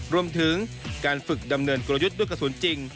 รวมถึงการฝึกดำเนินกลยุทธ์ด้วยกระสุนจริง